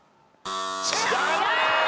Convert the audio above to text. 残念！